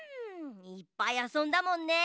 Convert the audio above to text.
いっぱいあそんだもんね。